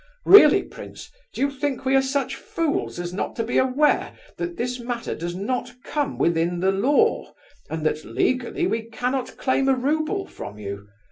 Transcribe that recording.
Really, prince, do you think we are such fools as not to be aware that this matter does not come within the law, and that legally we cannot claim a rouble from you?